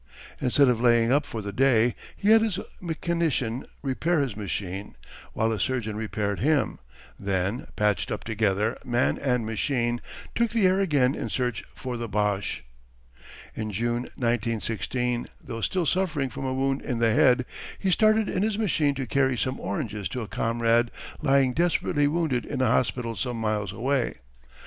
Instead of laying up for the day he had his mechanician repair his machine while a surgeon repaired him, then, patched up together, man and machine took the air again in search for the Boches. In June, 1916, though still suffering from a wound in the head, he started in his machine to carry some oranges to a comrade lying desperately wounded in a hospital some miles away.